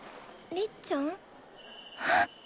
りっちゃん？